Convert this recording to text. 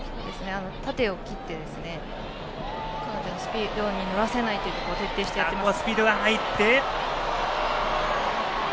縦を切って彼女のスピードに乗らせないというところを徹底してやっていますね。